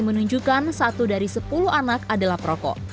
menunjukkan satu dari sepuluh anak adalah perokok